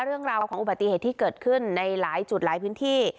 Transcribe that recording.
เรื่องราวของอุบัติเหตุที่เกิดขึ้นในหลายจุดหลายพื้นที่